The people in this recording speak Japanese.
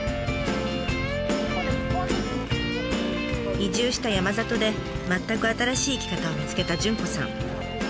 移住した山里で全く新しい生き方を見つけた潤子さん。